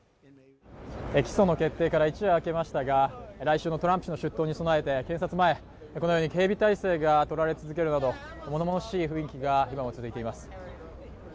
起訴の決定から一夜明けましたが来週のトランプ氏の出頭に備えて検察前、このように警備態勢がとられるなどものものしい雰囲気が今も続いています。